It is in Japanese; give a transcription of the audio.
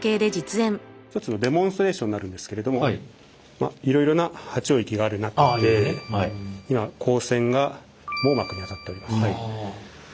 デモンストレーションになるんですけれどもいろいろな波長域がある中で今光線が網膜に当たっております。